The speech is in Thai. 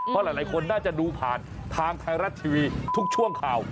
เพราะหลายคนน่าจะดูผ่านทางไทยรัฐทีวีทุกช่วงข่าว